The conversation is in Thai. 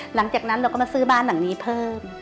หลังจากนั้นเราก็มาซื้อบ้านหลังนี้เพิ่ม